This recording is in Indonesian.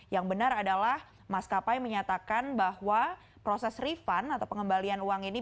yang benar adalah maskapai menyatakan bahwa proses refund atau pengembalian uang ini